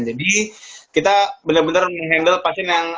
jadi kita benar benar mengendal pasien yang